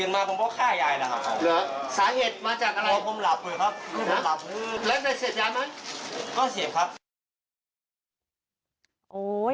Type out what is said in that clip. แล้วถ้าเสียบยาวมั้นก็เสียบครับ